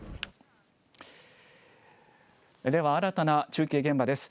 では新たな中継現場です。